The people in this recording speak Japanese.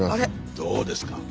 どうですか？